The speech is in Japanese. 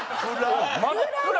真っ暗！